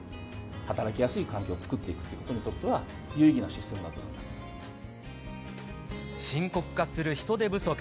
働きやすい環境を作っていくということにとっては、有意義なシス深刻化する人手不足。